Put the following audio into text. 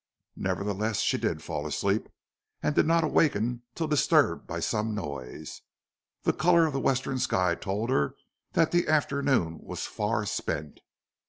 Nevertheless, she did fall asleep and did not awaken till disturbed by some noise. The color of the western sky told her that the afternoon was far spent.